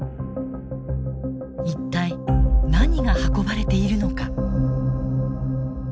一体何が運ばれているのか？